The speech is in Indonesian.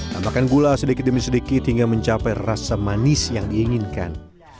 tambahkan gula sedikit demi sedikit hingga mencapai rasa manis yang diinginkan